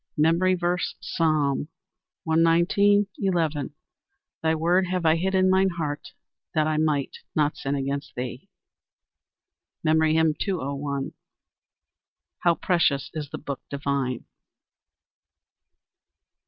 MEMORY VERSE, Psalm 119: 11 "Thy word have I hid in mine heart, that I might; not sin against thee." MEMORY HYMN _"How precious is the book divine!"